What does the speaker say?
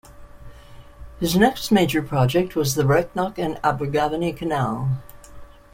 His next major project was the Brecknock and Abergavenny Canal.